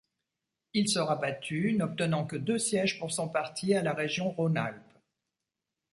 Il sera battu n'obtenant que deux sièges pour son parti à la Région Rhône-Alpes.